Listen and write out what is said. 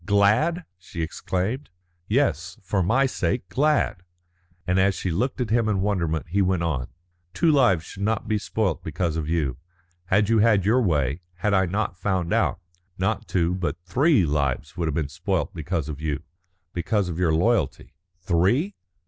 "Glad!" she exclaimed. "Yes, for my sake, glad." And as she looked at him in wonderment he went on: "Two lives should not be spoilt because of you. Had you had your way, had I not found out, not two but three lives would have been spoilt because of you because of your loyalty." "Three?"